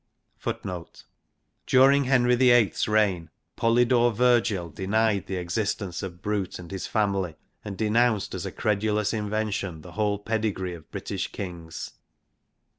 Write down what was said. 1 1 During Henry VIII's reign Polydore Vergil denied the existence of Brute and his family, and denounced as a credulous invention the whole pedigree of British Kings.